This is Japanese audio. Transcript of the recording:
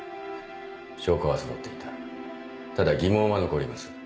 証拠はそろっていたただ疑問は残ります。